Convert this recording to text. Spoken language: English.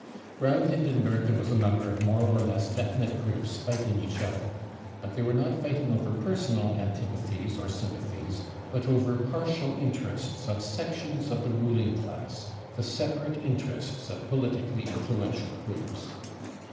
Round Hindenburg there was a number of more *or less definite groups lighting each other. But they were not fight ing over personal 'antipathies or sympathies, but over . partial interests of sections of the ruling class, the separate interests of politically influential groups.